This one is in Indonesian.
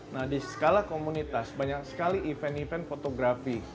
nah di skala komunitas banyak sekali event event fotografi